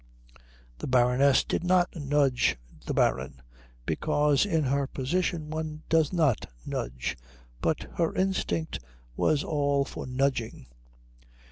The Baroness did not nudge the Baron, because in her position one does not nudge, but her instinct was all for nudging.